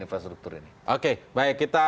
infrastruktur ini oke baik kita